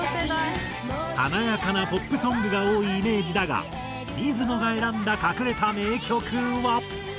華やかなポップソングが多いイメージだが水野が選んだ隠れた名曲は。